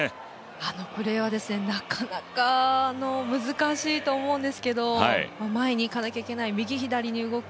あのプレーはなかなか難しいと思うんですけど前に行かなきゃいけない右、左に動く。